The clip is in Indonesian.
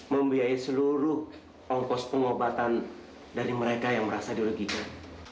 membiayai seluruh ongkos pengobatan dari mereka yang merasa dirugikan